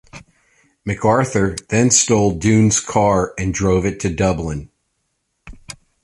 MacArthur then stole Dunne's car and drove it to Dublin.